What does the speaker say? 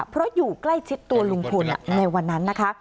เพราะอยู่ใกล้ชิดตัวลุงพลในวันนั้นนะคะ